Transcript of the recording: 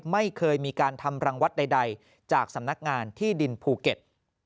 ไม่เคยมีการทำรังวัดใดจากสำนักงานที่ดินภูเก็ต